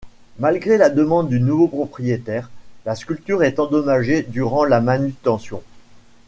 Malgré la demande du nouveau propriétaire, la sculpture est endommagée durant la manutention.